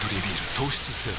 糖質ゼロ